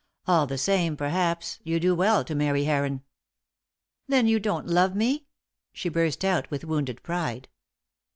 All the same, perhaps, you do well to marry Heron." "Then you don't love me?" she burst out, with wounded pride.